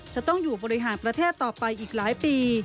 จะต้องอยู่บริหารประเทศต่อไปอีกหลายปี